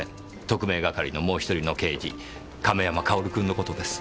特命係のもう１人の刑事亀山薫くんのことです。